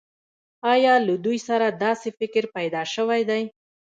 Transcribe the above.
آیا له دوی سره داسې فکر پیدا شوی دی